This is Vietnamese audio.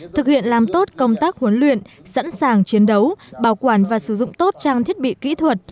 thực hiện làm tốt công tác huấn luyện sẵn sàng chiến đấu bảo quản và sử dụng tốt trang thiết bị kỹ thuật